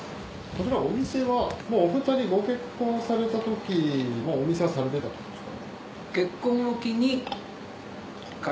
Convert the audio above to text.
お店はお二人ご結婚されたときにもうお店はされてたってことですか？